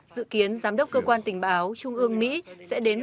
dự kiến giám đốc cơ quan tình báo trung ương mỹ sẽ đến